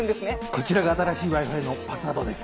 こちらが新しいＷｉ−Ｆｉのパスワードです！